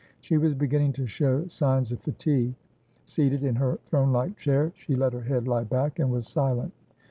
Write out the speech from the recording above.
She was beginning to show signs of fatigue; seated in her throne like chair, she let her head lie back, and was silent.